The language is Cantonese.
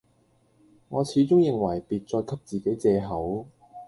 我始終認為別再給自己借口，